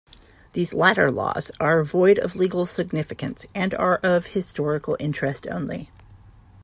These latter laws are void of legal significance and are of historical interest only.